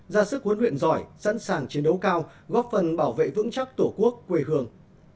ra sức huấn luyện giỏi sẵn sàng chiến đấu cao góp phần bảo vệ vững chắc tổ quốc quê hương